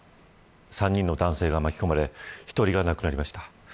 ３人の男性が巻き込まれ１人が亡くなりました。